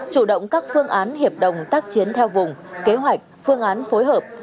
chủ động các phương án hiệp đồng tác chiến theo vùng kế hoạch phương án phối hợp